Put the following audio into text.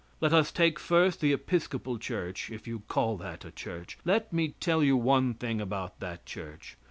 Let us take, first, the Episcopal church if you call that a church. Let me tell you one thing about that church.